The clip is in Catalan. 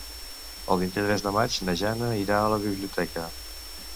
El vint-i-tres de maig na Jana irà a la biblioteca.